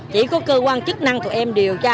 chỉ có cơ quan chức năng tụi em điều tra